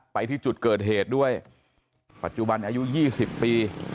ไปที่จุดเกิดเหตุด้วยปัจจุบันอายุ๒๐ปี